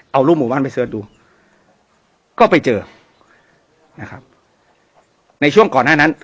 เอารูปหมู่บ้านไปเสิร์ชดูก็ไปเจอนะครับในช่วงก่อนหน้านั้น